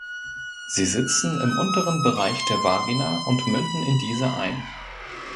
Sie sitzen im unteren Bereich der Vagina und münden in diese ein.